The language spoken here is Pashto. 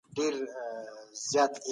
هنرمندان د ټولنې احساس دي.